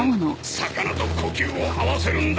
魚と呼吸を合わせるんだ！